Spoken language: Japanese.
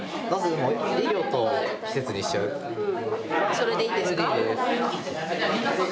それでいいです。